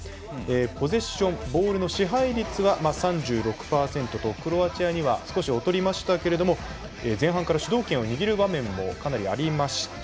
ポゼッションボールの支配率は３６％とクロアチアには少し劣りましたけど前半から主導権を握る場面もかなりありました。